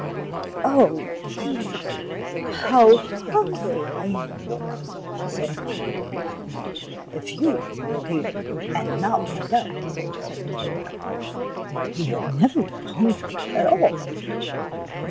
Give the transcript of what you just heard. " Oh, dear, how hungry I am !" she said, yawning. " If you were real and not made up," said the toy captain, '' you would never get hungry at all."